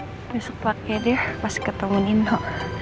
ya saya suka pakai dia pas ketemu nino